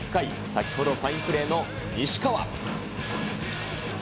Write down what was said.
先ほどファインプレーの西川。